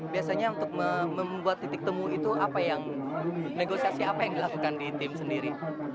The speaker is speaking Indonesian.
biasanya untuk membuat titik temu itu apa yang negosiasi apa yang dilakukan di tim sendiri